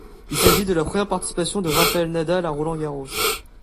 Il s'agit de la première participation de Rafael Nadal à Roland-Garros.